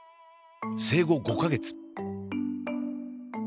生後５か月。